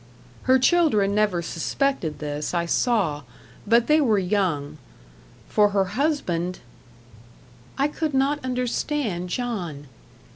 Her children never suspected this, I saw; but they were young. For her husband I could not understand John.